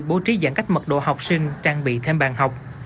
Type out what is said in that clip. bố trí giãn cách mật độ học sinh trang bị thêm bàn học